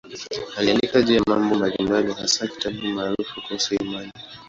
Aliandika juu ya mambo mbalimbali, hasa kitabu maarufu kuhusu imani.